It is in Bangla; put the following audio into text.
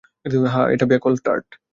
হ্যাঁ, এটা বেকওয়্যাল টার্ট।